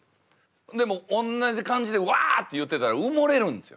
でもおんなじ感じでわって言ってたら埋もれるんですよ。